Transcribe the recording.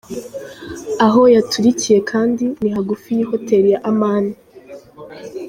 Aho yaturikiye kandi ni hagufi y'ihoteli ya Amani.